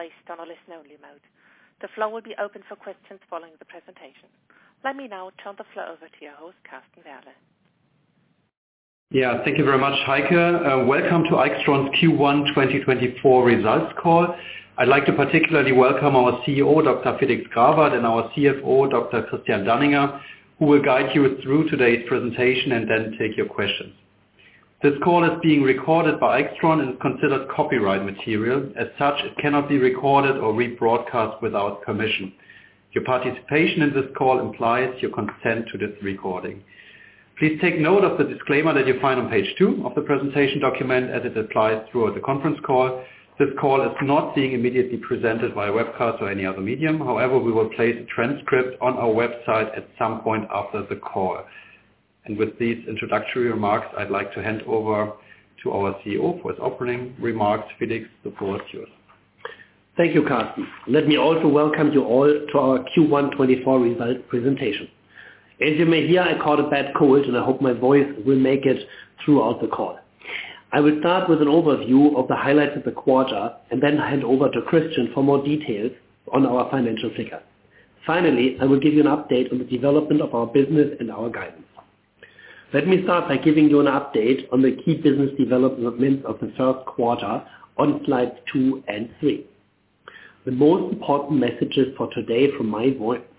Placed on a listen-only mode. The floor will be open for questions following the presentation. Let me now turn the floor over to your host, Carsten Werle. Yeah, thank you very much, Heike. Welcome to AIXTRON's Q1 2024 results call. I'd like to particularly welcome our CEO, Dr. Felix Grawert, and our CFO, Dr. Christian Danninger, who will guide you through today's presentation and then take your questions. This call is being recorded by AIXTRON and is considered copyright material. As such, it cannot be recorded or rebroadcast without permission. Your participation in this call implies your consent to this recording. Please take note of the disclaimer that you find on page two of the presentation document as it applies throughout the conference call. This call is not being immediately presented via webcast or any other medium. However, we will place a transcript on our website at some point after the call. With these introductory remarks, I'd like to hand over to our CEO for his opening remarks, Felix. The floor is yours. Thank you, Carsten. Let me also welcome you all to our Q1 2024 results presentation. As you may hear, I caught a bad cold, and I hope my voice will make it throughout the call. I will start with an overview of the highlights of the quarter and then hand over to Christian for more details on our financial figures. Finally, I will give you an update on the development of our business and our guidance. Let me start by giving you an update on the key business developments of the first quarter on slides two and three. The most important messages for today from my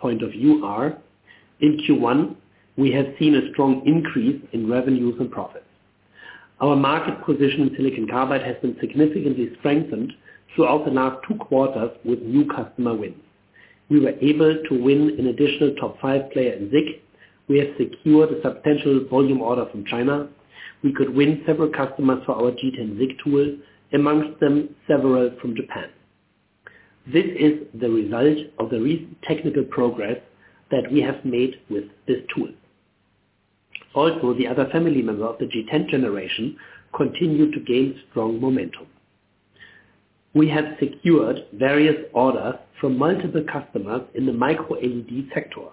point of view are: In Q1, we have seen a strong increase in revenues and profits. Our market position in silicon carbide has been significantly strengthened throughout the last two quarters with new customer wins. We were able to win an additional top five player in SiC. We have secured a substantial volume order from China. We could win several customers for our G10-SiC tool, among them several from Japan. This is the result of the recent technical progress that we have made with this tool. Also, the other family members of the G10 generation continue to gain strong momentum. We have secured various orders from multiple customers in the micro-LED sector.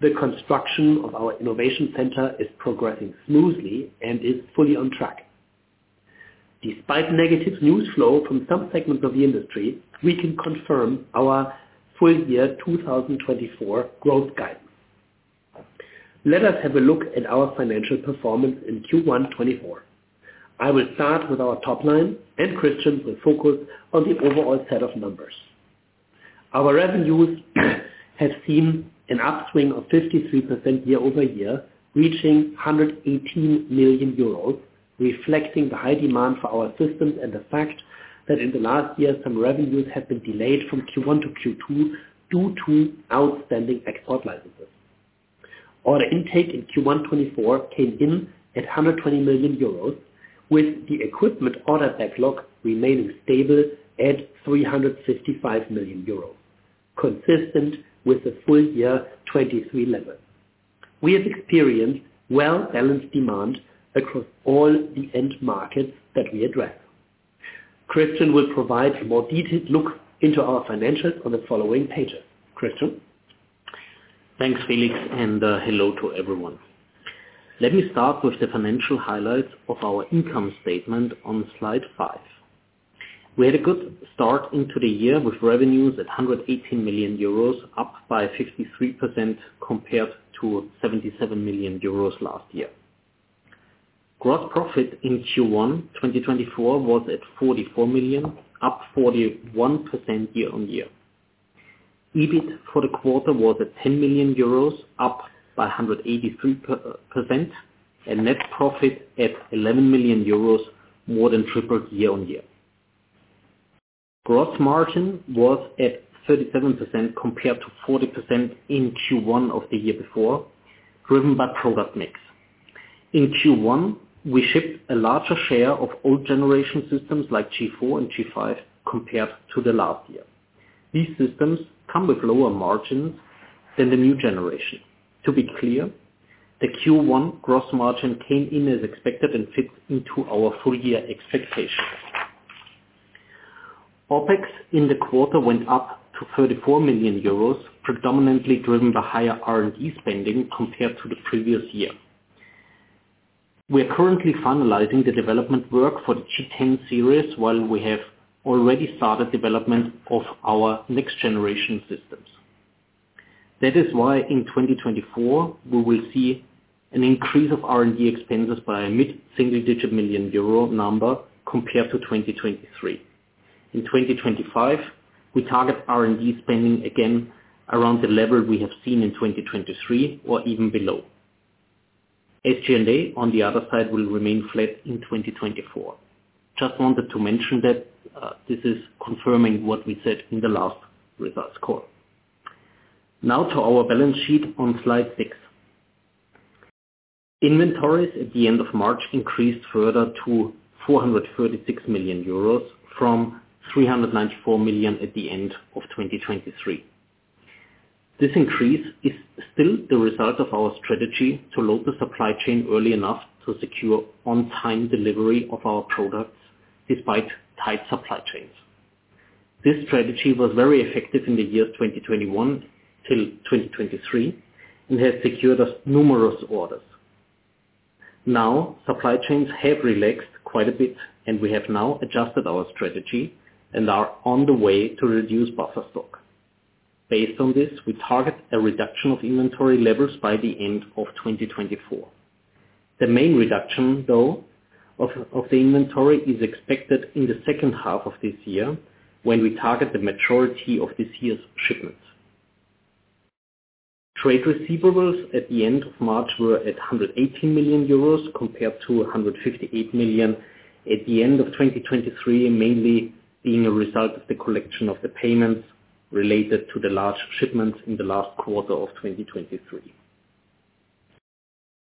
The construction of our innovation center is progressing smoothly and is fully on track. Despite negative news flow from some segments of the industry, we can confirm our full-year 2024 growth guidance. Let us have a look at our financial performance in Q1 2024. I will start with our topline, and Christian will focus on the overall set of numbers. Our revenues have seen an upswing of 53% year-over-year, reaching 118 million euros, reflecting the high demand for our systems and the fact that in the last year, some revenues have been delayed from Q1 to Q2 due to outstanding export licenses. Order intake in Q1 2024 came in at 120 million euros, with the equipment order backlog remaining stable at 355 million euros, consistent with the full-year 2023 level. We have experienced well-balanced demand across all the end markets that we address. Christian will provide a more detailed look into our financials on the following pages. Christian? Thanks, Felix, and hello to everyone. Let me start with the financial highlights of our income statement on slide five. We had a good start into the year with revenues at 118 million euros, up by 53% compared to 77 million euros last year. Gross profit in Q1 2024 was at 44 million, up 41% year-over-year. EBIT for the quarter was at 10 million euros, up by 183%, and net profit at 11 million euros, more than tripled year-over-year. Gross margin was at 37% compared to 40% in Q1 of the year before, driven by product mix. In Q1, we shipped a larger share of old-generation systems like G4 and G5 compared to the last year. These systems come with lower margins than the new generation. To be clear, the Q1 gross margin came in as expected and fits into our full-year expectations. OPEX in the quarter went up to 34 million euros, predominantly driven by higher R&D spending compared to the previous year. We are currently finalizing the development work for the G10 series while we have already started development of our next-generation systems. That is why in 2024, we will see an increase of R&D expenses by a mid-single-digit million euro number compared to 2023. In 2025, we target R&D spending again around the level we have seen in 2023 or even below. SG&A, on the other side, will remain flat in 2024. Just wanted to mention that this is confirming what we said in the last results call. Now to our balance sheet on slide 6. Inventories at the end of March increased further to 436 million euros from 394 million at the end of 2023. This increase is still the result of our strategy to load the supply chain early enough to secure on-time delivery of our products despite tight supply chains. This strategy was very effective in the years 2021 till 2023 and has secured us numerous orders. Now, supply chains have relaxed quite a bit, and we have now adjusted our strategy and are on the way to reduce buffer stock. Based on this, we target a reduction of inventory levels by the end of 2024. The main reduction, though, of the inventory is expected in the second half of this year when we target the maturity of this year's shipments. Trade receivables at the end of March were at 118 million euros compared to 158 million at the end of 2023, mainly being a result of the collection of the payments related to the large shipments in the last quarter of 2023.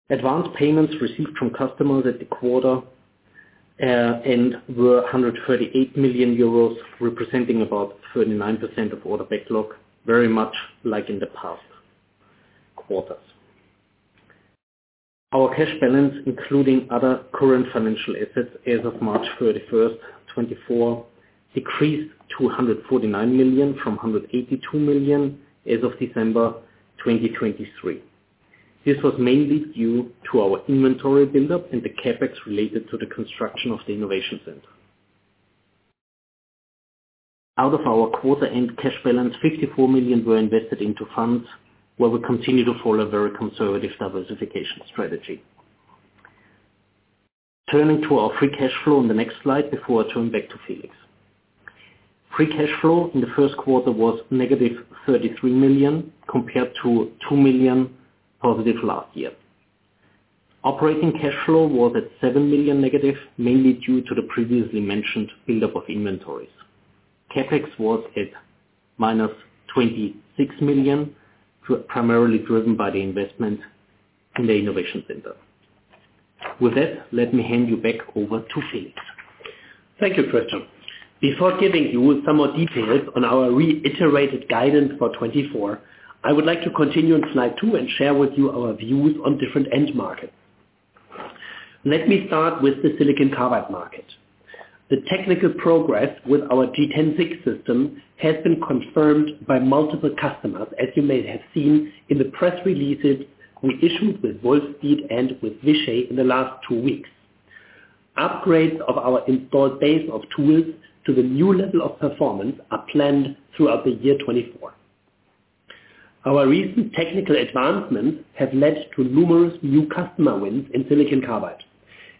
Advance payments received from customers at the quarter were 138 million euros, representing about 39% of order backlog, very much like in the past quarters. Our cash balance, including other current financial assets as of March 31st, 2024, decreased to 149 million from 182 million as of December 2023. This was mainly due to our inventory buildup and the CapEx related to the construction of the innovation center. Out of our quarter-end cash balance, 54 million were invested into funds where we continue to follow a very conservative diversification strategy. Turning to our free cash flow on the next slide before I turn back to Felix. Free cash flow in the first quarter was negative 33 million compared to 2 million positive last year. Operating cash flow was at 7 million negative, mainly due to the previously mentioned buildup of inventories. CapEx was at minus 26 million, primarily driven by the investment in the innovation center. With that, let me hand you back over to Felix. Thank you, Christian. Before giving you some more details on our reiterated guidance for 2024, I would like to continue on slide two and share with you our views on different end markets. Let me start with the silicon carbide market. The technical progress with our G10-SiC system has been confirmed by multiple customers, as you may have seen in the press releases we issued with Wolfspeed and with Vishay in the last two weeks. Upgrades of our installed base of tools to the new level of performance are planned throughout the year 2024. Our recent technical advancements have led to numerous new customer wins in silicon carbide,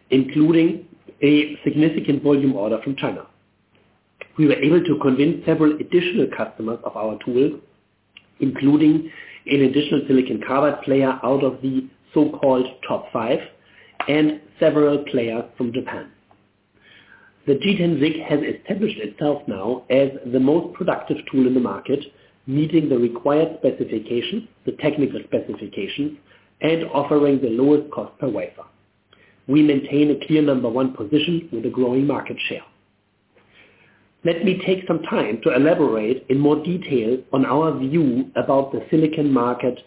including a significant volume order from China. We were able to convince several additional customers of our tools, including an additional silicon carbide player out of the so-called top five and several players from Japan. The G10-SiC has established itself now as the most productive tool in the market, meeting the required specifications, the technical specifications, and offering the lowest cost per wafer. We maintain a clear number one position with a growing market share. Let me take some time to elaborate in more detail on our view about the SiC market,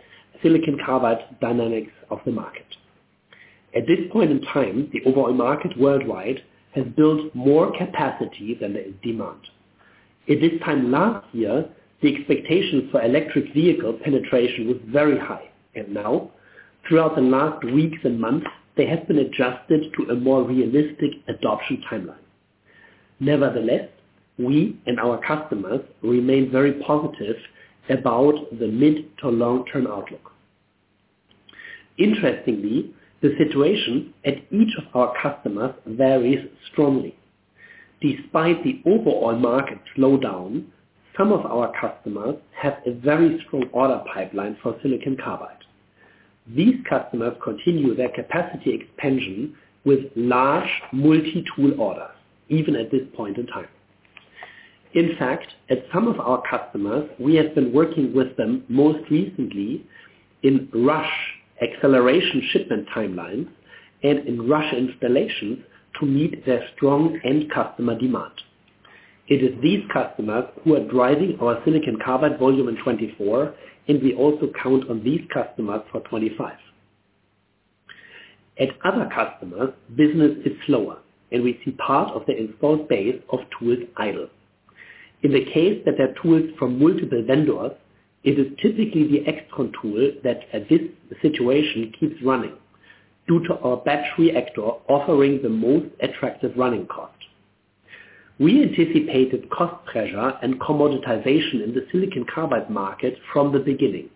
Silicon Carbide dynamics of the market. At this point in time, the overall market worldwide has built more capacity than there is demand. At this time last year, the expectations for electric vehicle penetration were very high, and now, throughout the last weeks and months, they have been adjusted to a more realistic adoption timeline. Nevertheless, we and our customers remain very positive about the mid to long-term outlook. Interestingly, the situation at each of our customers varies strongly. Despite the overall market slowdown, some of our customers have a very strong order pipeline for Silicon Carbide. These customers continue their capacity expansion with large multi-tool orders, even at this point in time. In fact, at some of our customers, we have been working with them most recently in rush acceleration shipment timelines and in rush installations to meet their strong end customer demand. It is these customers who are driving our Silicon Carbide volume in 2024, and we also count on these customers for 2025. At other customers, business is slower, and we see part of the installed base of tools idle. In the case that there are tools from multiple vendors, it is typically the AIXTRON tool that, at this situation, keeps running due to our Batch reactor offering the most attractive running cost. We anticipated cost pressure and commoditization in the silicon carbide market from the beginning,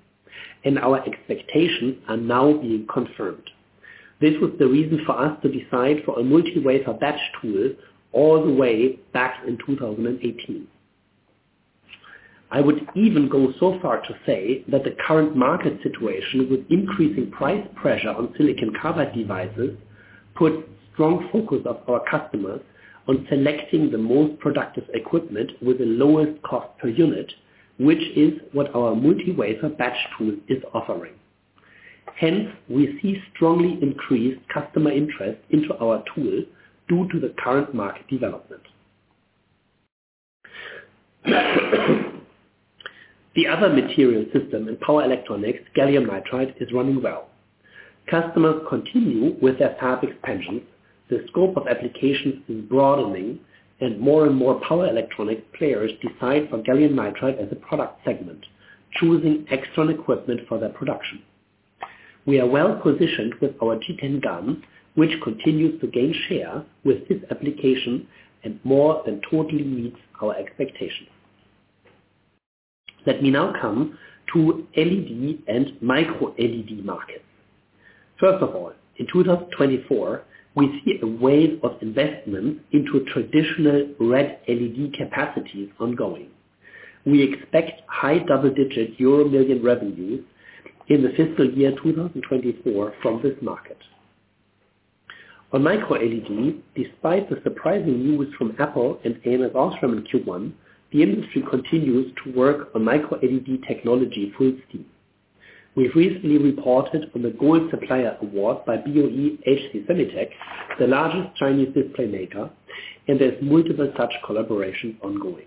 and our expectations are now being confirmed. This was the reason for us to decide for a multi-wafer batch tool all the way back in 2018. I would even go so far to say that the current market situation with increasing price pressure on silicon carbide devices put strong focus on our customers on selecting the most productive equipment with the lowest cost per unit, which is what our multi-wafer batch tool is offering. Hence, we see strongly increased customer interest into our tool due to the current market development. The other material system in power electronics, gallium nitride, is running well. Customers continue with their fab expansions. The scope of applications is broadening, and more and more power electronics players decide for gallium nitride as a product segment, choosing AIXTRON equipment for their production. We are well positioned with our G10-GaN, which continues to gain share with this application and more than totally meets our expectations. Let me now come to LED and micro-LED markets. First of all, in 2024, we see a wave of investment into traditional red LED capacities ongoing. We expect high double-digit euro million revenues in the fiscal year 2024 from this market. On micro-LED, despite the surprising news from Apple and ams OSRAM in Q1, the industry continues to work on micro-LED technology full steam. We've recently reported on the Gold Supplier Award by BOE HC Semitek, the largest Chinese display maker, and there's multiple such collaborations ongoing.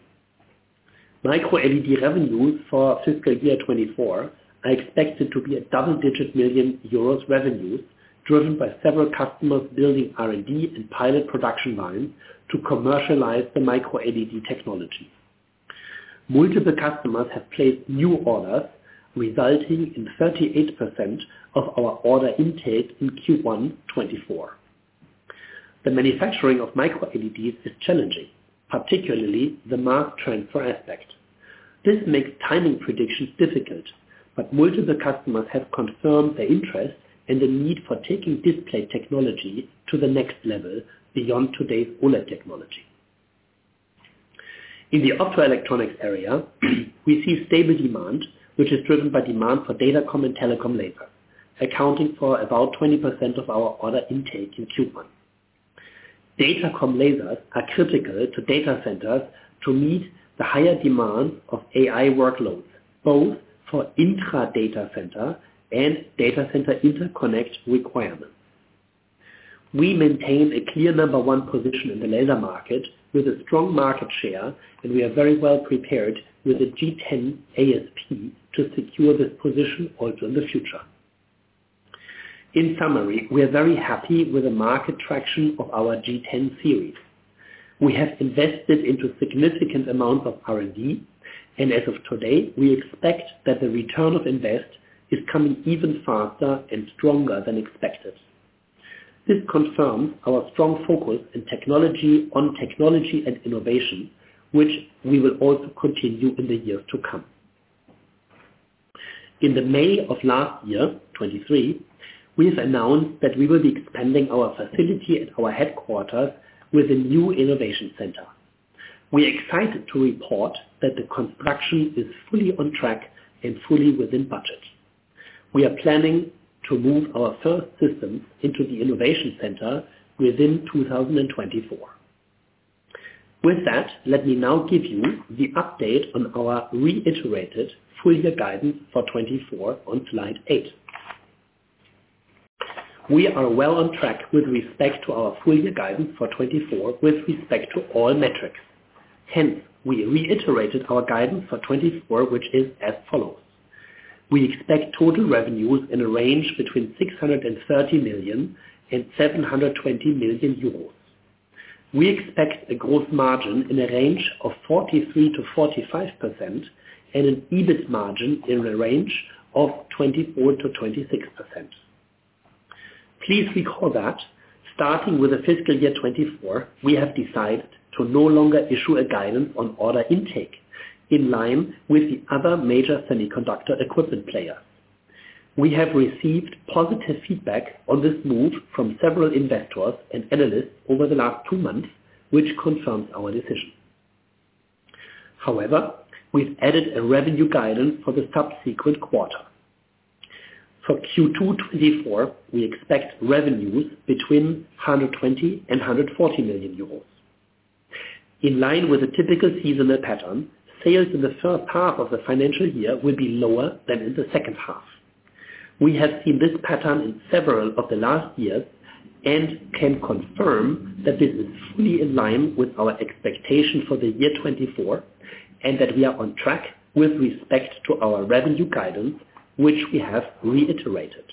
Micro-LED revenues for fiscal year 2024 are expected to be a double-digit million euros revenues driven by several customers building R&D and pilot production lines to commercialize the micro-LED technology. Multiple customers have placed new orders, resulting in 38% of our order intake in Q1 2024. The manufacturing of micro-LEDs is challenging, particularly the mass transfer aspect. This makes timing predictions difficult, but multiple customers have confirmed their interest and the need for taking display technology to the next level beyond today's OLED technology. In the optoelectronics area, we see stable demand, which is driven by demand for datacom and telecom lasers, accounting for about 20% of our order intake in Q1. Datacom lasers are critical to data centers to meet the higher demands of AI workloads, both for intra-data center and data center interconnect requirements. We maintain a clear number one position in the laser market with a strong market share, and we are very well prepared with the G10-ASP to secure this position also in the future. In summary, we are very happy with the market traction of our G10 series. We have invested into significant amounts of R&D, and as of today, we expect that the return of investment is coming even faster and stronger than expected. This confirms our strong focus on technology and innovation, which we will also continue in the years to come. In May of last year, 2023, we have announced that we will be expanding our facility at our headquarters with a new innovation center. We are excited to report that the construction is fully on track and fully within budget. We are planning to move our first system into the innovation center within 2024. With that, let me now give you the update on our reiterated full-year guidance for 2024 on slide 8. We are well on track with respect to our full-year guidance for 2024 with respect to all metrics. Hence, we reiterated our guidance for 2024, which is as follows. We expect total revenues in a range between 630 million and 720 million euros. We expect a gross margin in a range of 43%-45% and an EBIT margin in a range of 24%-26%. Please recall that, starting with the fiscal year 2024, we have decided to no longer issue a guidance on order intake in line with the other major semiconductor equipment players. We have received positive feedback on this move from several investors and analysts over the last two months, which confirms our decision. However, we've added a revenue guidance for the subsequent quarter. For Q2 2024, we expect revenues between 120 million euros and 140 million euros. In line with a typical seasonal pattern, sales in the first half of the financial year will be lower than in the second half. We have seen this pattern in several of the last years and can confirm that this is fully in line with our expectation for the year 2024 and that we are on track with respect to our revenue guidance, which we have reiterated.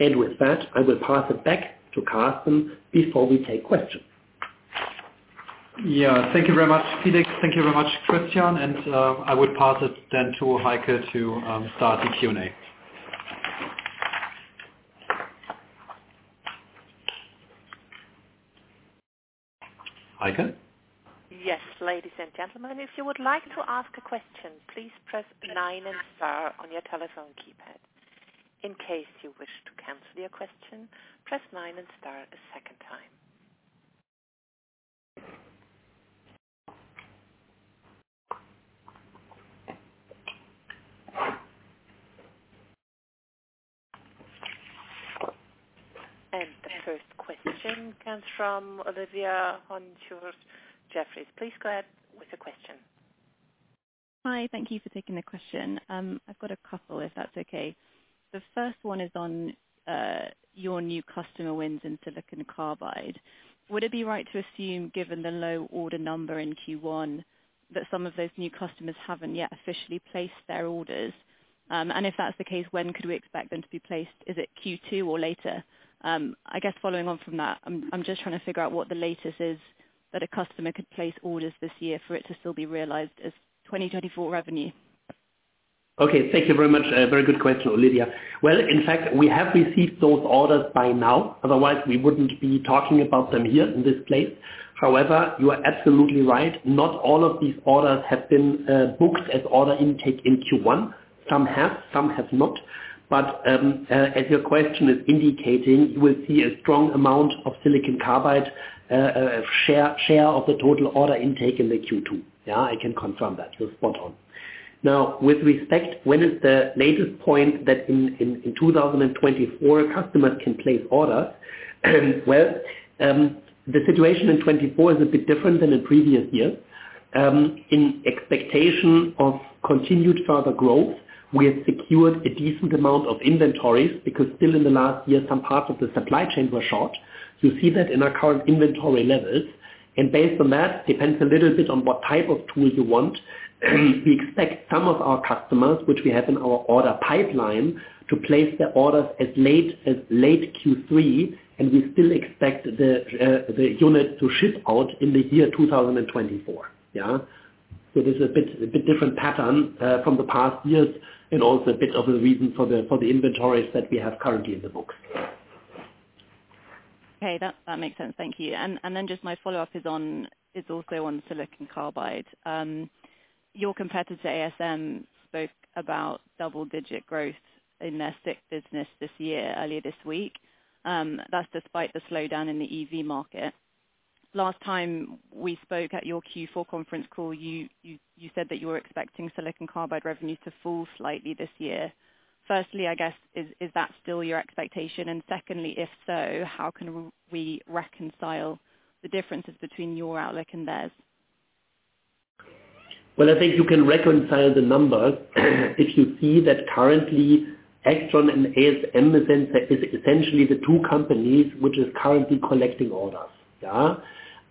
With that, I will pass it back to Carsten before we take questions. Yeah. Thank you very much, Felix. Thank you very much, Christian. I would pass it then to Heike to start the Q&A. Heike? Yes, ladies and gentlemen. If you would like to ask a question, please press nine and star on your telephone keypad. In case you wish to cancel your question, press nine and star a second time. The first question comes from Olivia Honychurch. Jefferies, please go ahead with the question. Hi. Thank you for taking the question. I've got a couple, if that's okay. The first one is on your new customer wins in silicon carbide. Would it be right to assume, given the low order number in Q1, that some of those new customers haven't yet officially placed their orders? And if that's the case, when could we expect them to be placed? Is it Q2 or later? I guess following on from that, I'm just trying to figure out what the latest is that a customer could place orders this year for it to still be realized as 2024 revenue. Okay. Thank you very much. Very good question, Olivia. Well, in fact, we have received those orders by now. Otherwise, we wouldn't be talking about them here in this place. However, you are absolutely right. Not all of these orders have been booked as order intake in Q1. Some have. Some have not. But as your question is indicating, you will see a strong amount of Silicon Carbide share of the total order intake in the Q2. Yeah, I can confirm that. You're spot on. Now, with respect, when is the latest point that in 2024 customers can place orders? Well, the situation in 2024 is a bit different than in previous years. In expectation of continued further growth, we have secured a decent amount of inventories because still in the last year, some parts of the supply chain were short. You see that in our current inventory levels. Based on that, it depends a little bit on what type of tool you want. We expect some of our customers, which we have in our order pipeline, to place their orders as late as late Q3, and we still expect the unit to ship out in the year 2024. Yeah? So this is a bit different pattern from the past years and also a bit of a reason for the inventories that we have currently in the books. Okay. That makes sense. Thank you. And then just my follow-up is also on silicon carbide. Your competitors, ASM, spoke about double-digit growth in their SiC business this year, earlier this week. That's despite the slowdown in the EV market. Last time we spoke at your Q4 conference call, you said that you were expecting silicon carbide revenues to fall slightly this year. Firstly, I guess, is that still your expectation? And secondly, if so, how can we reconcile the differences between your outlook and theirs? Well, I think you can reconcile the numbers if you see that currently, AIXTRON and ASM is essentially the two companies which are currently collecting orders. Yeah?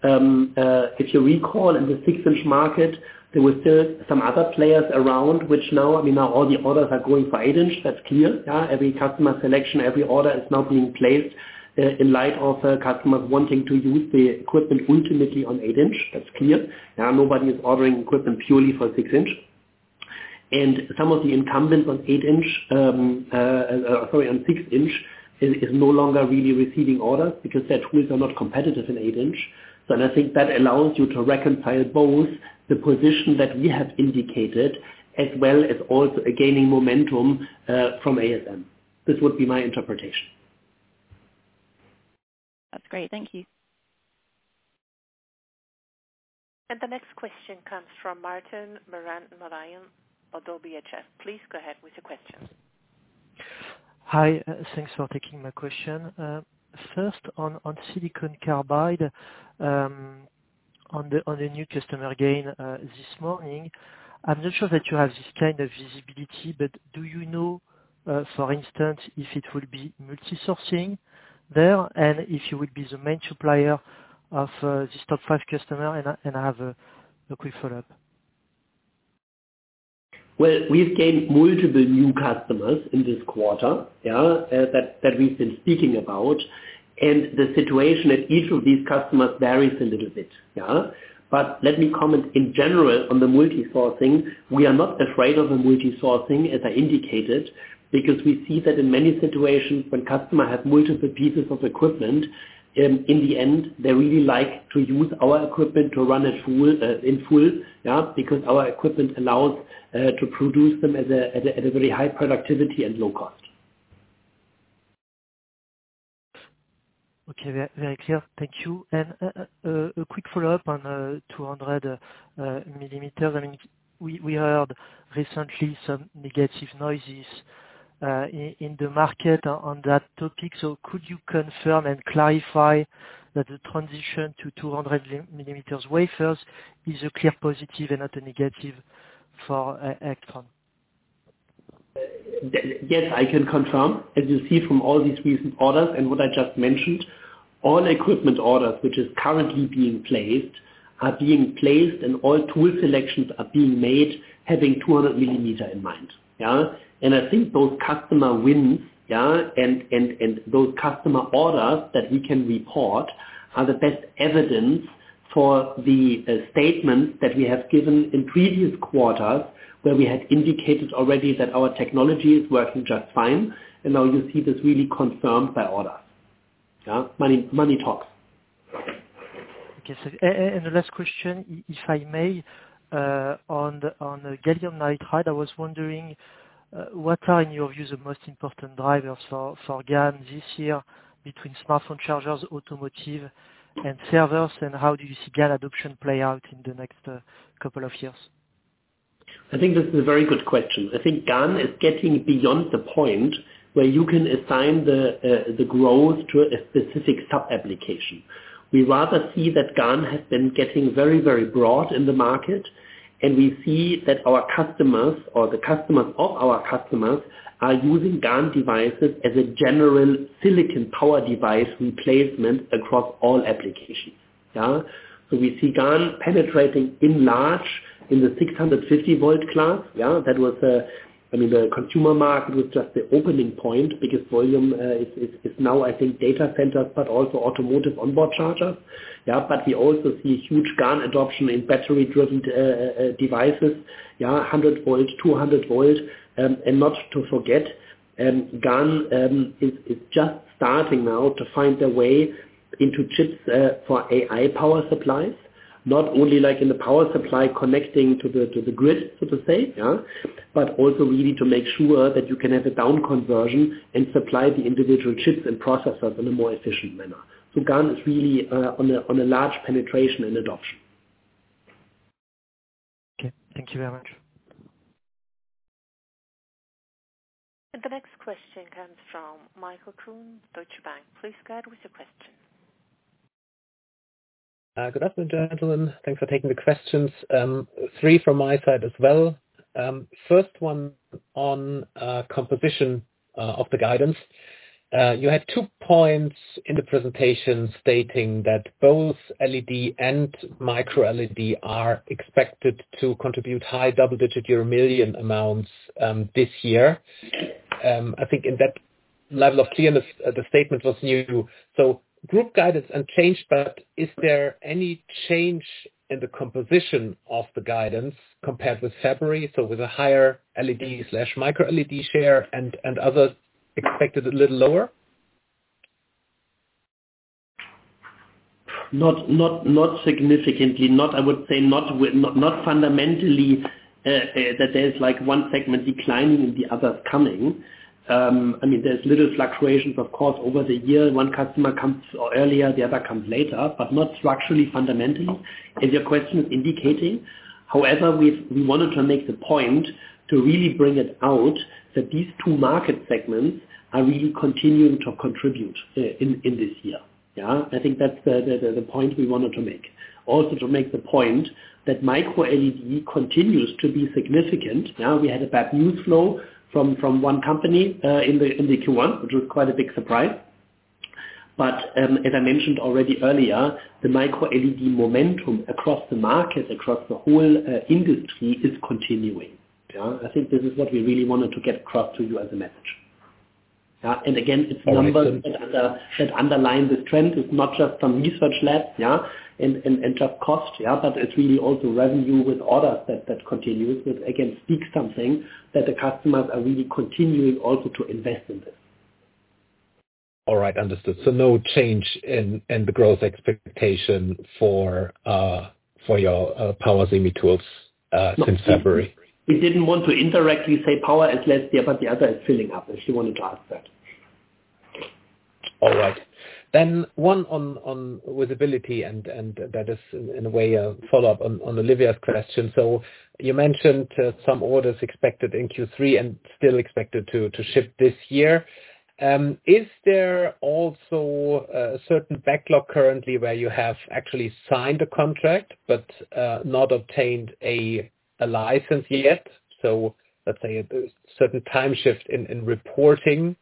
If you recall, in the 6-inch market, there were still some other players around, which now I mean, now all the orders are going for 8-inch. That's clear. Yeah? Every customer selection, every order is now being placed in light of customers wanting to use the equipment ultimately on 8-inch. That's clear. Yeah? Nobody is ordering equipment purely for 6-inch. And some of the incumbents on 8-inch sorry, on 6-inch is no longer really receiving orders because their tools are not competitive in 8-inch. And I think that allows you to reconcile both the position that we have indicated as well as also gaining momentum from ASM. This would be my interpretation. That's great. Thank you. The next question comes from Martin Marandon, Oddo BHF. Please go ahead with your question. Hi. Thanks for taking my question. First, on Silicon Carbide, on the new customer win this morning, I'm not sure that you have this kind of visibility, but do you know, for instance, if it will be multisourcing there and if you would be the main supplier of these top five customers? I have a quick follow-up. Well, we've gained multiple new customers in this quarter, yeah, that we've been speaking about. The situation at each of these customers varies a little bit. Yeah? But let me comment in general on the multisourcing. We are not afraid of the multisourcing as I indicated because we see that in many situations, when customers have multiple pieces of equipment, in the end, they really like to use our equipment to run it in full, yeah, because our equipment allows to produce them at a very high productivity and low cost. Okay. Very clear. Thank you. And a quick follow-up on 200 millimeters. I mean, we heard recently some negative noises in the market on that topic. So could you confirm and clarify that the transition to 200-millimeter wafers is a clear positive and not a negative for AIXTRON? Yes, I can confirm. As you see from all these recent orders and what I just mentioned, all equipment orders which are currently being placed are being placed, and all tool selections are being made having 200 mm in mind. Yeah? And I think those customer wins, yeah, and those customer orders that we can report are the best evidence for the statements that we have given in previous quarters where we had indicated already that our technology is working just fine. And now you see this really confirmed by orders. Yeah? Money talks. Okay. And the last question, if I may, on Gallium Nitride, I was wondering, what are, in your view, the most important drivers for GaN this year between smartphone chargers, automotive, and servers? And how do you see GaN adoption play out in the next couple of years? I think this is a very good question. I think GaN is getting beyond the point where you can assign the growth to a specific subapplication. We rather see that GaN has been getting very, very broad in the market, and we see that our customers or the customers of our customers are using GaN devices as a general silicon power device replacement across all applications. Yeah? So we see GaN penetrating in large in the 650-volt class. Yeah? That was a I mean, the consumer market was just the opening point because volume is now, I think, data centers but also automotive onboard chargers. Yeah? But we also see huge GaN adoption in battery-driven devices, yeah, 100-volt, 200-volt. Not to forget, GaN is just starting now to find their way into chips for AI power supplies, not only in the power supply connecting to the grid, so to say, yeah, but also really to make sure that you can have a down conversion and supply the individual chips and processors in a more efficient manner. So GaN is really on a large penetration and adoption. Okay. Thank you very much. The next question comes from Michael Kuhn, Deutsche Bank. Please go ahead with your question. Good afternoon, gentlemen. Thanks for taking the questions. Three from my side as well. First one on composition of the guidance. You had two points in the presentation stating that both LED and micro-LED are expected to contribute high double-digit euro million amounts this year. I think in that level of clearness, the statement was new. So group guidance unchanged, but is there any change in the composition of the guidance compared with February, so with a higher LED/micro-LED share and others expected a little lower? Not significantly. I would say not fundamentally that there's one segment declining and the other coming. I mean, there's little fluctuations, of course, over the year. One customer comes earlier, the other comes later, but not structurally fundamentally, as your question is indicating. However, we wanted to make the point to really bring it out that these two market segments are really continuing to contribute in this year. Yeah? I think that's the point we wanted to make, also to make the point that micro-LED continues to be significant. Yeah? We had a bad news flow from one company in the Q1, which was quite a big surprise. But as I mentioned already earlier, the micro-LED momentum across the market, across the whole industry, is continuing. Yeah? I think this is what we really wanted to get across to you as a message. Yeah? And again, it's numbers that underline this trend. It's not just some research labs, yeah, and just cost, yeah, but it's really also revenue with orders that continues, which again speaks something that the customers are really continuing also to invest in this. All right. Understood. So no change in the growth expectation for your power semi-tools since February? No. We didn't want to indirectly say power is less here, but the other is filling up, if you wanted to ask that. All right. Then one on visibility, and that is, in a way, a follow-up on Olivia's question. So you mentioned some orders expected in Q3 and still expected to ship this year. Is there also a certain backlog currently where you have actually signed a contract but not obtained a license yet? So let's say a certain time shift in reporting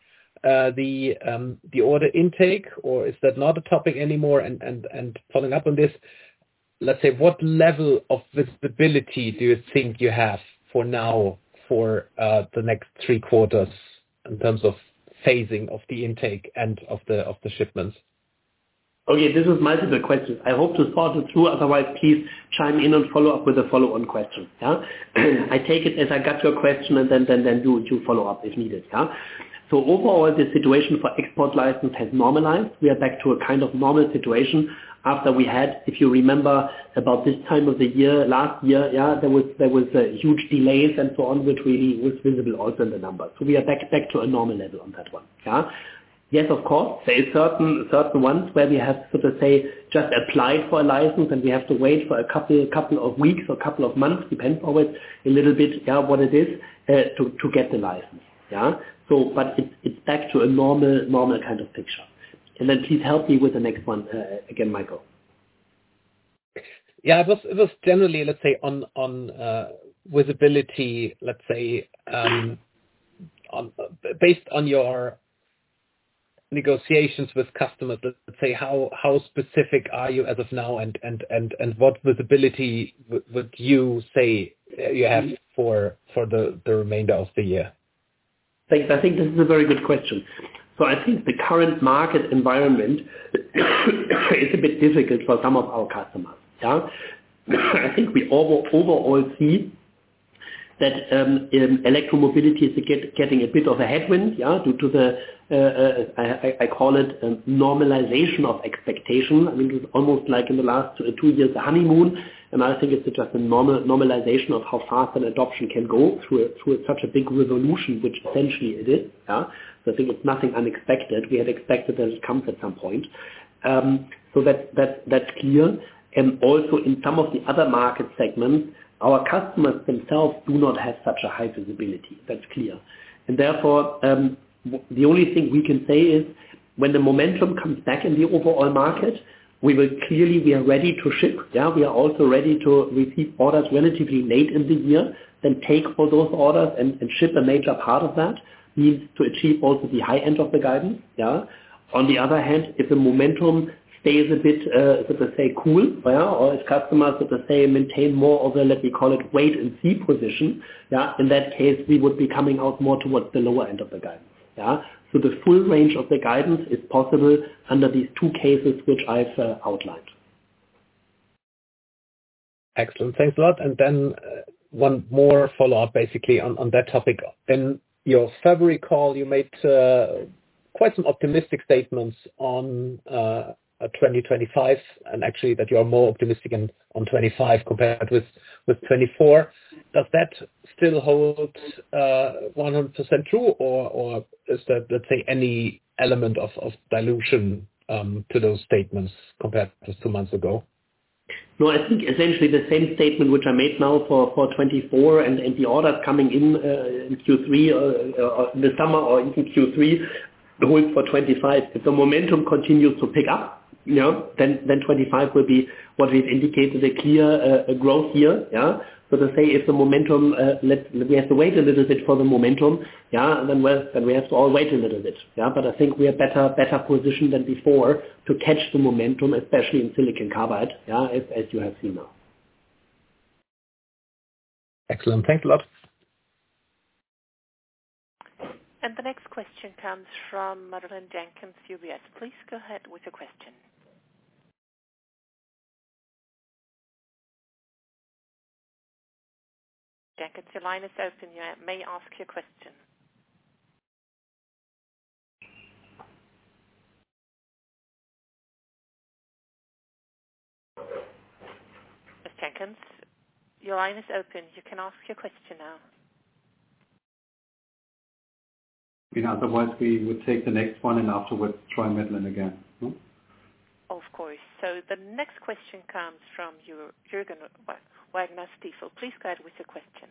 the order intake, or is that not a topic anymore? And following up on this, let's say, what level of visibility do you think you have for now for the next three quarters in terms of phasing of the intake and of the shipments? Okay. This is multiple questions. I hope to sort it through. Otherwise, please chime in and follow up with a follow-on question. Yeah? I take it as I got your question, and then you follow up if needed. Yeah? So overall, the situation for export license has normalized. We are back to a kind of normal situation after we had, if you remember, about this time of the year, last year, yeah, there was huge delays and so on, which really was visible also in the numbers. So we are back to a normal level on that one. Yeah? Yes, of course. There are certain ones where we have, so to say, just applied for a license, and we have to wait for a couple of weeks or a couple of months, depends always a little bit, yeah, what it is, to get the license. Yeah? But it's back to a normal kind of picture. And then please help me with the next one again, Michael. Yeah. It was generally, let's say, on visibility, let's say, based on your negotiations with customers, let's say, how specific are you as of now, and what visibility would you say you have for the remainder of the year? Thanks. I think this is a very good question. So I think the current market environment is a bit difficult for some of our customers. Yeah? I think we overall see that electromobility is getting a bit of a headwind, yeah, due to the I call it normalization of expectation. I mean, it was almost like in the last two years, a honeymoon. And I think it's just a normalization of how fast an adoption can go through such a big revolution, which essentially it is. Yeah? So I think it's nothing unexpected. We had expected that it comes at some point. So that's clear. And also, in some of the other market segments, our customers themselves do not have such a high visibility. That's clear. And therefore, the only thing we can say is when the momentum comes back in the overall market, we will clearly we are ready to ship. Yeah? We are also ready to receive orders relatively late in the year, then take all those orders and ship a major part of that means to achieve also the high end of the guidance. Yeah? On the other hand, if the momentum stays a bit, so to say, cool, yeah, or if customers, so to say, maintain more of a, let me call it, wait-and-see position, yeah, in that case, we would be coming out more towards the lower end of the guidance. Yeah? So the full range of the guidance is possible under these two cases which I've outlined. Excellent. Thanks a lot. And then one more follow-up, basically, on that topic. In your February call, you made quite some optimistic statements on 2025 and actually that you are more optimistic on 2025 compared with 2024. Does that still hold 100% true, or is there, let's say, any element of dilution to those statements compared to two months ago? No, I think essentially the same statement which I made now for 2024 and the orders coming in in Q3 or in the summer or in Q3 holds for 2025. If the momentum continues to pick up, yeah, then 2025 will be what we've indicated, a clear growth year. Yeah? So to say, if the momentum we have to wait a little bit for the momentum, yeah, then we have to all wait a little bit. Yeah? But I think we are better positioned than before to catch the momentum, especially in Silicon Carbide, yeah, as you have seen now. Excellent. Thanks a lot. And the next question comes from Madeleine Jenkins UBS. Please go ahead with your question. Jenkins, your line is open. You may ask your question. Ms. Jenkins, your line is open. You can ask your question now. I mean, otherwise, we would take the next one and afterwards try Madeleine again. Of course. So the next question comes from Jürgen Wagner, Stifel. Please go ahead with your question.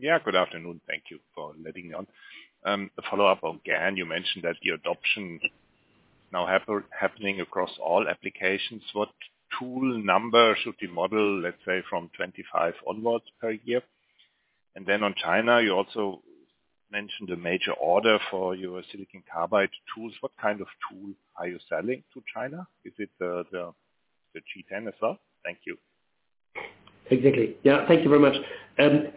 Yeah. Good afternoon. Thank you for letting me on. A follow-up on GaN. You mentioned that the adoption is now happening across all applications. What tool number should the model, let's say, from 2025 onwards per year? And then on China, you also mentioned a major order for your silicon carbide tools. What kind of tool are you selling to China? Is it the G10 as well? Thank you. Exactly. Yeah. Thank you very much.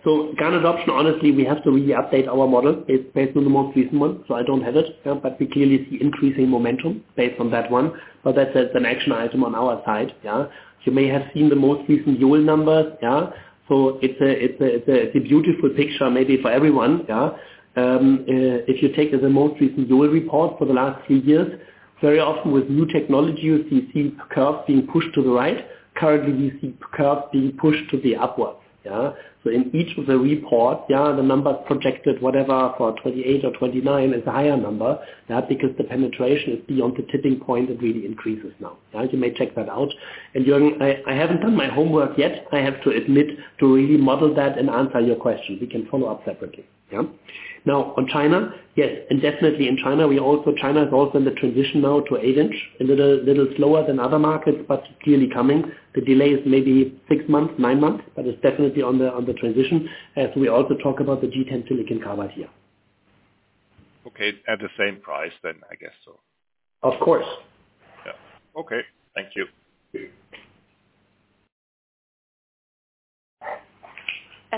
So GaN adoption, honestly, we have to really update our model based on the most recent one. So I don't have it, but we clearly see increasing momentum based on that one. But that's an action item on our side. Yeah? You may have seen the most recent Yole numbers. Yeah? So it's a beautiful picture maybe for everyone. Yeah? If you take the most recent Yole report for the last three years, very often with new technology, you see curves being pushed to the right. Currently, we see curves being pushed to the upwards. Yeah? So in each of the reports, yeah, the number projected, whatever, for 2028 or 2029 is a higher number, yeah, because the penetration is beyond the tipping point and really increases now. Yeah? You may check that out. And Jürgen, I haven't done my homework yet. I have to admit to really model that and answer your question. We can follow up separately. Yeah? Now, on China, yes, and definitely in China, we also China is also in the transition now to 8-inch, a little slower than other markets but clearly coming. The delay is maybe six months, nine months, but it's definitely on the transition as we also talk about the G10-SiC here. Okay. At the same price then, I guess, so. Of course. Yeah. Okay. Thank you.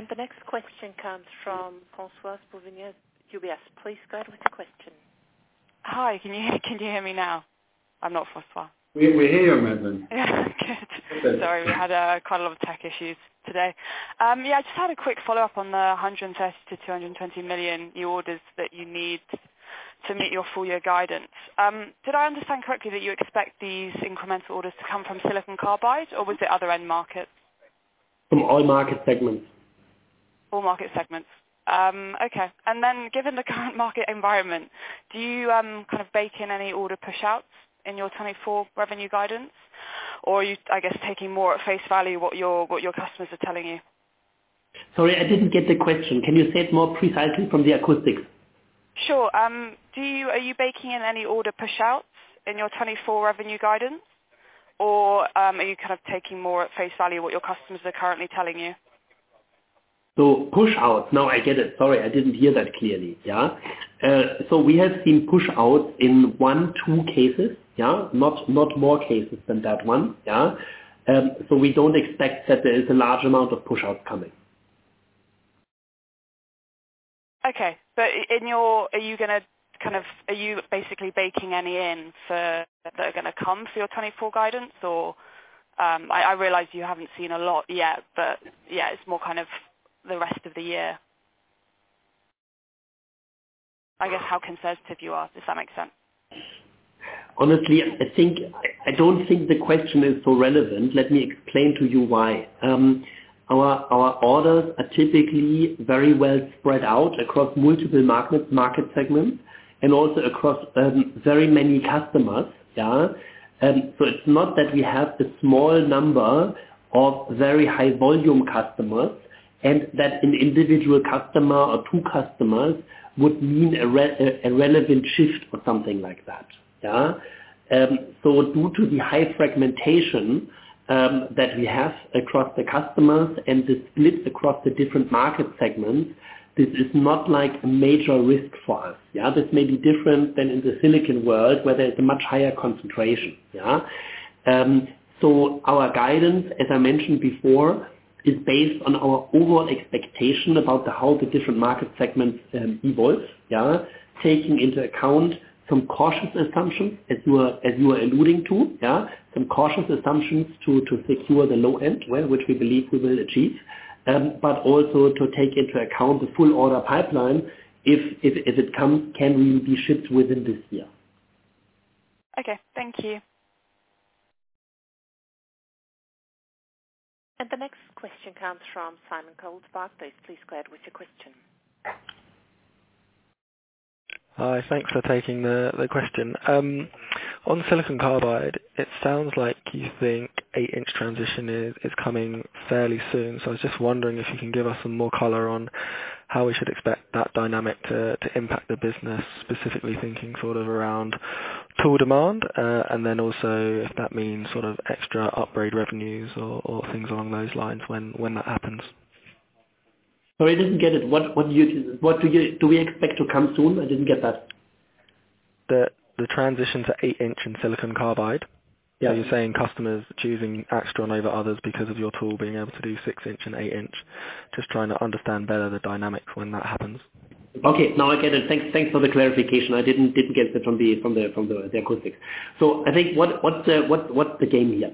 The next question comes from François-Xavier Bouvignies, UBS. Please go ahead with your question. Hi. Can you hear me now? I'm not François. We hear you, Madeleine. Sorry. We had quite a lot of tech issues today. I just had a quick follow-up on the 130 million-220 million orders that you need to meet your full-year guidance. Did I understand correctly that you expect these incremental orders to come from Silicon Carbide, or was it other end markets? From all market segments. All market segments. Okay. Then given the current market environment, do you kind of bake in any order pushouts in your 2024 revenue guidance, or are you, I guess, taking more at face value what your customers are telling you? Sorry. I didn't get the question. Can you say it more precisely from the acoustics? Sure. Are you baking in any order pushouts in your 2024 revenue guidance, or are you kind of taking more at face value what your customers are currently telling you? So pushouts. No, I get it. Sorry. I didn't hear that clearly. Yeah? So we have seen pushouts in one, two cases, yeah, not more cases than that 1. Yeah? So we don't expect that there is a large amount of pushouts coming. Okay. But are you going to kind of basically baking any in that are going to come for your 2024 guidance, or? I realize you haven't seen a lot yet, but yeah, it's more kind of the rest of the year, I guess, how conservative you are, if that makes sense. Honestly, I don't think the question is so relevant. Let me explain to you why. Our orders are typically very well spread out across multiple market segments and also across very many customers. Yeah? So it's not that we have a small number of very high-volume customers and that an individual customer or two customers would mean a relevant shift or something like that. Yeah? So due to the high fragmentation that we have across the customers and the split across the different market segments, this is not a major risk for us. Yeah? This may be different than in the silicon world, where there's a much higher concentration. Yeah? So, our guidance, as I mentioned before, is based on our overall expectation about how the different market segments evolve, yeah, taking into account some cautious assumptions, as you were alluding to, yeah, some cautious assumptions to secure the low end, which we believe we will achieve, but also to take into account the full order pipeline if it can really be shipped within this year. Okay. Thank you. The next question comes from Simon Coles. Please go ahead with your question. Hi. Thanks for taking the question. On silicon carbide, it sounds like you think 8-inch transition is coming fairly soon. So I was just wondering if you can give us some more color on how we should expect that dynamic to impact the business, specifically thinking sort of around tool demand and then also if that means sort of extra upgrade revenues or things along those lines when that happens. Sorry. I didn't get it. What do we expect to come soon? I didn't get that. The transition to 8-inch and silicon carbide. So you're saying customers choosing AIXTRON over others because of your tool being able to do 6-inch and 8-inch, just trying to understand better the dynamics when that happens? Okay. Now, I get it. Thanks for the clarification. I didn't get that from the acoustics. So I think what's the game here?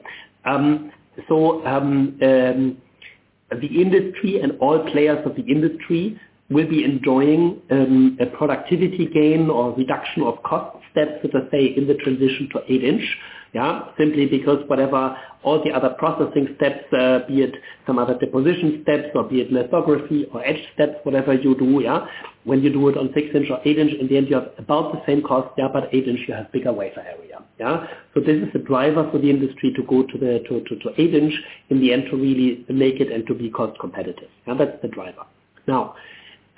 So the industry and all players of the industry will be enjoying a productivity gain or reduction of cost steps, so to say, in the transition to 8-inch, yeah, simply because whatever all the other processing steps, be it some other deposition steps or be it lithography or edge steps, whatever you do, yeah, when you do it on 6-inch or 8-inch, in the end, you have about the same cost, yeah, but 8-inch, you have bigger wafer area. Yeah? So this is a driver for the industry to go to 8-inch in the end to really make it and to be cost-competitive. Yeah? That's the driver. Now,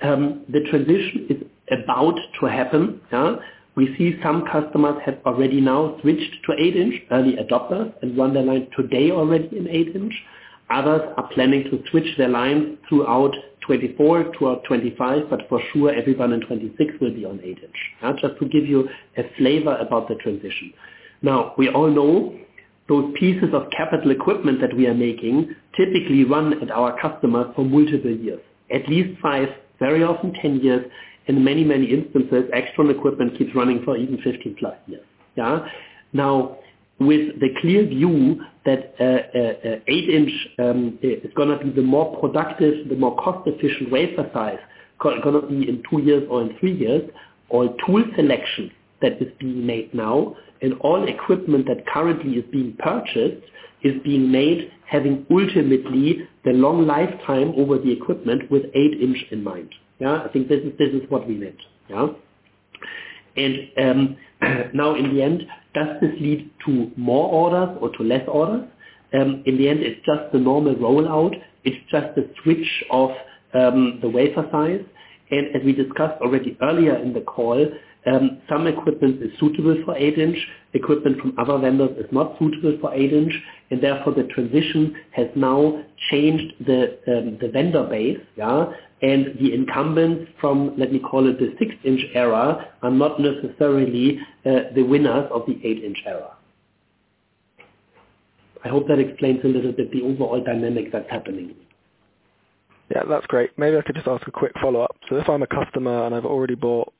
the transition is about to happen. Yeah? We see some customers have already now switched to 8-inch, early adopters, and run their line today already in 8-inch. Others are planning to switch their line throughout 2024 toward 2025, but for sure, everyone in 2026 will be on 8-inch, yeah, just to give you a flavor about the transition. Now, we all know those pieces of capital equipment that we are making typically run at our customers for multiple years, at least five, very often 10 years. In many, many instances, AIXTRON equipment keeps running for even 15+ years. Yeah? Now, with the clear view that 8-inch is going to be the more productive, the more cost-efficient wafer size going to be in two years or in three years, all tool selection that is being made now and all equipment that currently is being purchased is being made having ultimately the long lifetime over the equipment with 8-inch in mind. Yeah? I think this is what we meant. Yeah? And now, in the end, does this lead to more orders or to less orders? In the end, it's just the normal rollout. It's just the switch of the wafer size. And as we discussed already earlier in the call, some equipment is suitable for 8-inch. Equipment from other vendors is not suitable for 8-inch. And therefore, the transition has now changed the vendor base. Yeah? The incumbents from, let me call it, the 6-inch era are not necessarily the winners of the 8-inch era. I hope that explains a little bit the overall dynamic that's happening. Yeah. That's great. Maybe I could just ask a quick follow-up. So if I'm a customer and I've already bought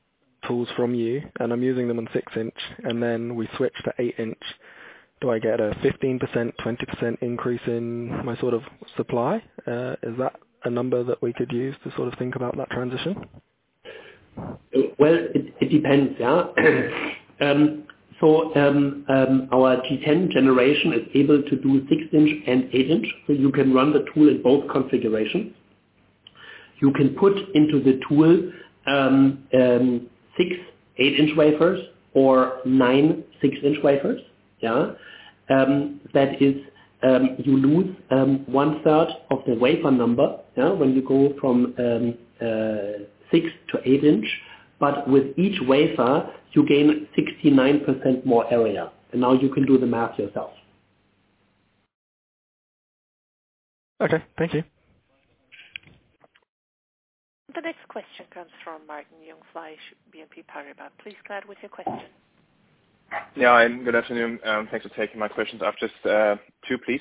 tools from you and I'm using them on 6-inch, and then we switch to 8-inch, do I get a 15%-20% increase in my sort of supply? Is that a number that we could use to sort of think about that transition? Well, it depends. Yeah? So our G10 generation is able to do 6-inch and 8-inch. So you can run the tool in both configurations. You can put into the tool 6 8-inch wafers or 9 6-inch wafers. Yeah? That is, you lose one-third of the wafer number, yeah, when you go from 6-inch to 8-inch. But with each wafer, you gain 69% more area. And now, you can do the math yourself. Okay. Thank you. The next question comes from Martin Jungfleisch, BNP Paribas. Please go ahead with your question. Yeah. Good afternoon. Thanks for taking my questions. I have just two, please.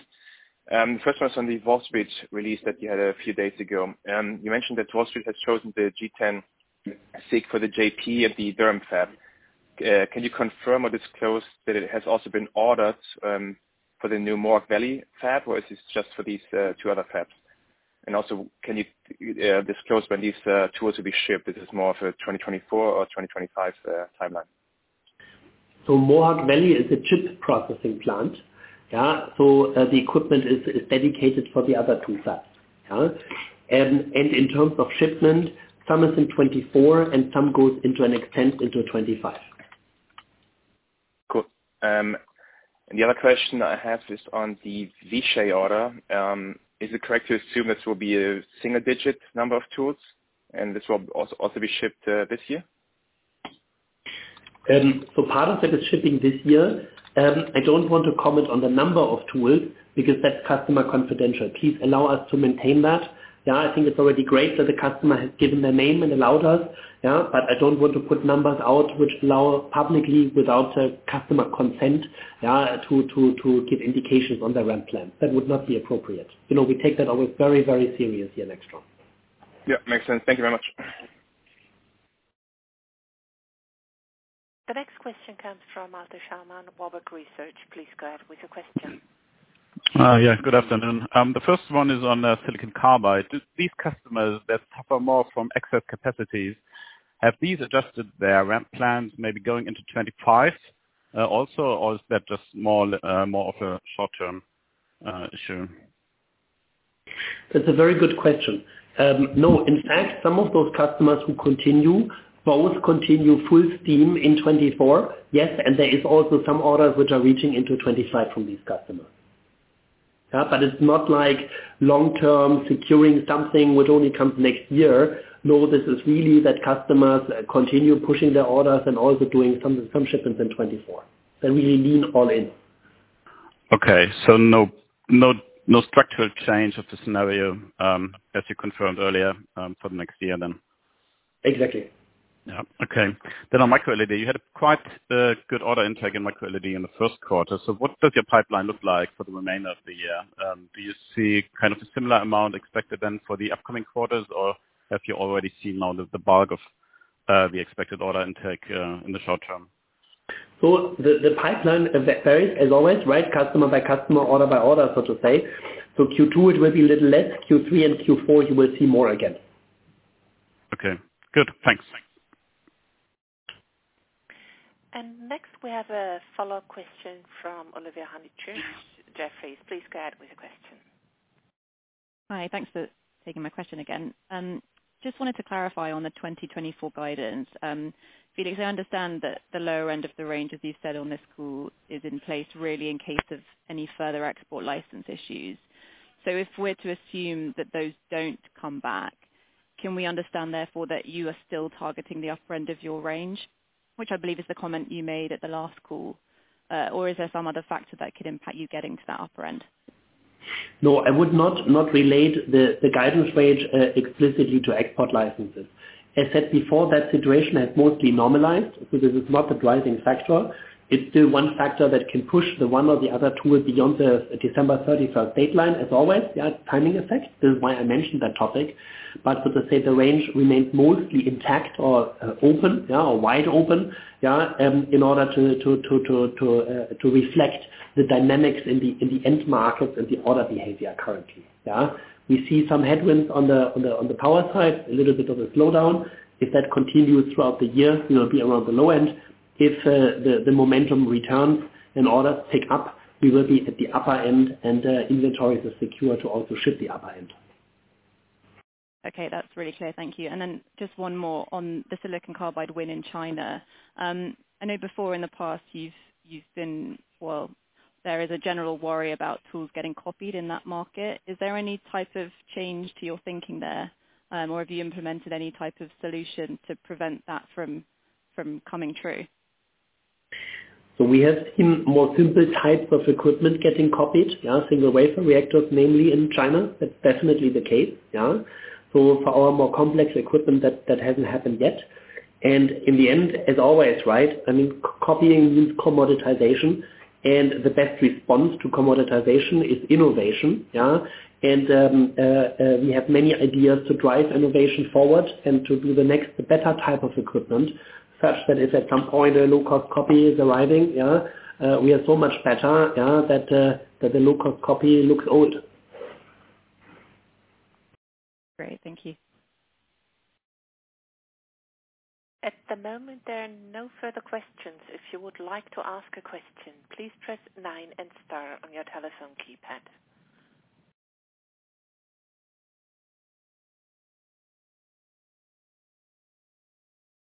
The first one is on the Wolfspeed release that you had a few days ago. You mentioned that Wolfspeed has chosen the G10-SiC for the fab at the Durham fab. Can you confirm or disclose that it has also been ordered for the new Mohawk Valley fab, or is this just for these two other fabs? And also, can you disclose when these tools will be shipped? This is more of a 2024 or 2025 timeline. Mohawk Valley is a chip processing plant. Yeah? The equipment is dedicated for the other two fabs. Yeah? In terms of shipment, some is in 2024, and some goes into an extent into 2025. Cool. And the other question I have is on the Vishay order. Is it correct to assume this will be a single-digit number of tools, and this will also be shipped this year? So part of that is shipping this year. I don't want to comment on the number of tools because that's customer confidential. Please allow us to maintain that. Yeah? I think it's already great that the customer has given their name and allowed us. Yeah? But I don't want to put numbers out which allow publicly, without customer consent, yeah, to give indications on their ramp plans. That would not be appropriate. We take that always very, very serious here in AIXTRON. Yeah. Makes sense. Thank you very much. The next question comes from Malte Schaumann, Warburg Research. Please go ahead with your question. Yeah. Good afternoon. The first one is on silicon carbide. These customers that suffer more from excess capacities, have these adjusted their ramp plans, maybe going into 2025 also, or is that just more of a short-term issue? That's a very good question. No. In fact, some of those customers who continue both continue full steam in 2024, yes, and there is also some orders which are reaching into 2025 from these customers. Yeah? But it's not long-term securing something which only comes next year. No, this is really that customers continue pushing their orders and also doing some shipments in 2024. They really lean all in. Okay. So no structural change of the scenario, as you confirmed earlier, for the next year then? Exactly. Yeah. Okay. Then on Micro-LED, you had quite a good order intake in Micro-LED in the first quarter. So what does your pipeline look like for the remainder of the year? Do you see kind of a similar amount expected then for the upcoming quarters, or have you already seen now the bulk of the expected order intake in the short term? So the pipeline varies, as always, right, customer by customer, order by order, so to say. So Q2, it will be a little less. Q3 and Q4, you will see more again. Okay. Good. Thanks. And next, we have a follow-up question from Olivia Honychurch, Jefferies. Please go ahead with your question. Hi. Thanks for taking my question again. Just wanted to clarify on the 2024 guidance. Felix, I understand that the lower end of the range, as you've said on this call, is in place really in case of any further export license issues. So if we're to assume that those don't come back, can we understand, therefore, that you are still targeting the upper end of your range, which I believe is the comment you made at the last call, or is there some other factor that could impact you getting to that upper end? No, I would not relate the guidance rate explicitly to export licenses. As said before, that situation has mostly normalized. So this is not the driving factor. It's still one factor that can push the one or the other tool beyond the December 31st deadline, as always, yeah, timing effect. This is why I mentioned that topic. But so to say, the range remains mostly intact or open, yeah, or wide open, yeah, in order to reflect the dynamics in the end markets and the order behavior currently. Yeah? We see some headwinds on the power side, a little bit of a slowdown. If that continues throughout the year, we will be around the low end. If the momentum returns and orders pick up, we will be at the upper end, and inventories are secure to also ship the upper end. Okay. That's really clear. Thank you. And then just one more on the Silicon Carbide win in China. I know before, in the past, you've been well, there is a general worry about tools getting copied in that market. Is there any type of change to your thinking there, or have you implemented any type of solution to prevent that from coming true? So we have seen more simple types of equipment getting copied, yeah, single wafer reactors, namely in China. That's definitely the case. Yeah? So for our more complex equipment, that hasn't happened yet. And in the end, as always, right, I mean, copying means commoditization. And the best response to commoditization is innovation. Yeah? And we have many ideas to drive innovation forward and to do the next, the better type of equipment such that if at some point a low-cost copy is arriving, yeah, we are so much better, yeah, that the low-cost copy looks old. Great. Thank you. At the moment, there are no further questions. If you would like to ask a question, please press 9 and star on your telephone keypad.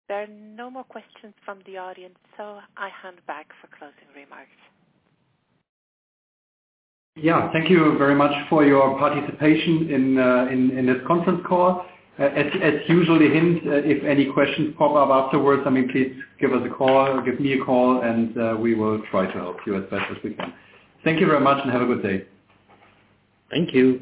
There are no more questions from the audience, so I hand back for closing remarks. Yeah. Thank you very much for your participation in this conference call. As usual, if any questions pop up afterwards, I mean, please give us a call, give me a call, and we will try to help you as best as we can. Thank you very much, and have a good day. Thank you.